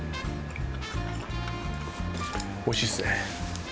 おいしいっすね。